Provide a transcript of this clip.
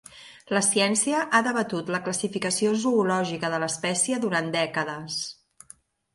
La ciència ha debatut la classificació zoològica de l'espècie durant dècades.